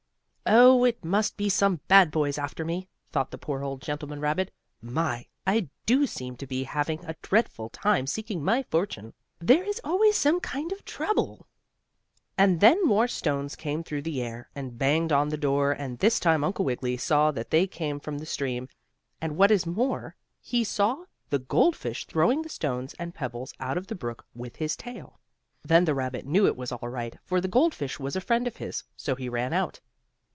"Oh! it must be some bad boys after me," thought the poor old gentleman rabbit. "My! I do seem to be having a dreadful time seeking my fortune. There is always some kind of trouble." And then more stones came through the air, and banged on the door and this time Uncle Wiggily saw that they came from the stream, and, what is more, he saw the goldfish throwing the stones and pebbles out of the brook with his tail. Then the rabbit knew it was all right, for the goldfish was a friend of his, so he ran out.